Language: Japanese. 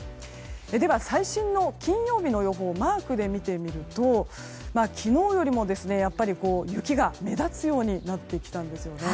では最新の金曜日の予報をマークで見てみると、昨日よりも雪が目立つようになってきたんです。